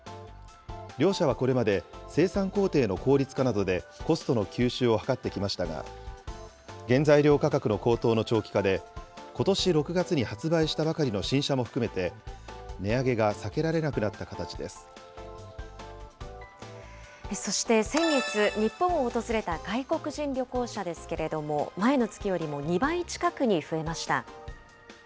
両社はこれまで生産工程の効率化などで、コストの吸収を図ってきましたが、原材料価格の高騰の長期化で、ことし６月に発売したばかりの新車も含めて、値上げが避けられなそして先月、日本を訪れた外国人旅行者ですけれども、前の月よりも２倍近くに増えました。